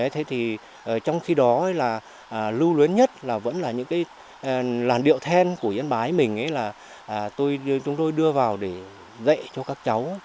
thế thì trong khi đó là lưu luyến nhất là vẫn là những cái làn điệu then của yên bái mình ấy là chúng tôi đưa vào để dạy cho các cháu